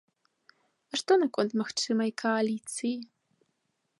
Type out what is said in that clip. А што наконт магчымай кааліцыі?